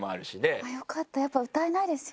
よかったやっぱ歌えないですよね。